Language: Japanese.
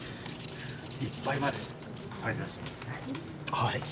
はい。